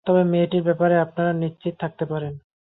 তবে মেয়েটির ব্যাপারে আপনারা নিশ্চিন্ত থাকতে পারেন।